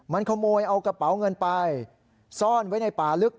มันขโมยเอากระเป๋าเงินไปซ่อนไว้ในป่าลึก